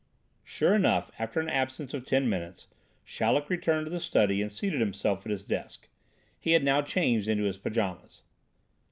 Sure enough after an absence of ten minutes Chaleck returned to the study and seated himself at his desk. He had now changed into his pajamas.